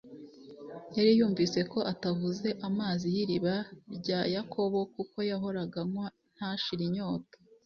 Yari yumvise ko atavuze amazi y'iriba rya Yakobo, kuko yahoraga ayanywa ntashire inyota.